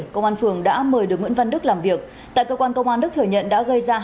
công an phường đã mời được nguyễn văn đức làm việc tại cơ quan công an đức thừa nhận đã gây ra